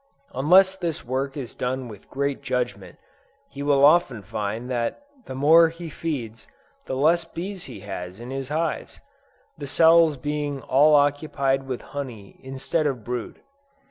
Unless this work is done with great judgment, he will find often that the more he feeds, the less bees he has in his hives, the cells being all occupied with honey instead of brood.